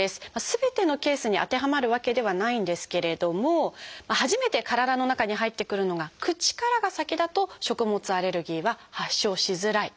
すべてのケースに当てはまるわけではないんですけれども初めて体の中に入ってくるのが口からが先だと食物アレルギーは発症しづらい。